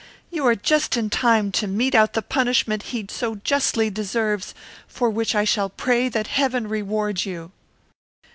You are just in time to mete out the punishment he so justly deserves, for which I shall pray that heaven reward you."